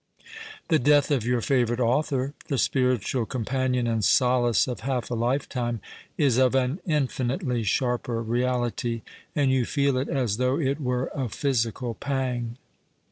The death of your favourite author, the spiritual companion and solace of half a lifetime, is of an infmitcly sharper reality, and you feel it as though it were a physical pang.